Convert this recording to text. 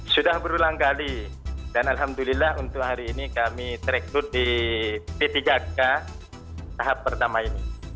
sudah berulang kali dan alhamdulillah untuk hari ini kami terekrut di p tiga k tahap pertama ini